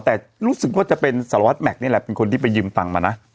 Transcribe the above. แต่รู้สึกว่าจะเป็นสารวัตรแม็กซนี่แหละเป็นคนที่ไปยืมตังค์มานะ